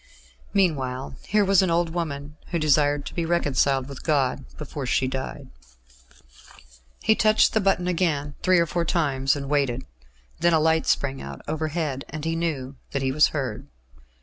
Meanwhile here was an old woman who desired to be reconciled with God before she died.... He touched the button again, three or four times, and waited. Then a light sprang out overhead, and he knew that he was heard.